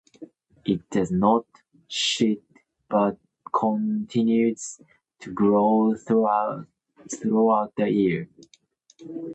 It does not shed but continues to grow throughout the year.